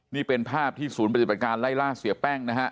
นี่เป็นภาพที่ศูนย์ปฏิบัติการไล่ล่าเสียแป้งนะฮะ